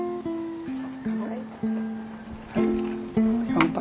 乾杯！